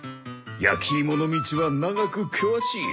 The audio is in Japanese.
焼き芋の道は長く険しい。